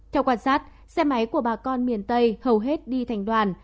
theo quan sát xe máy của bà con miền tây hầu hết đi thành đoàn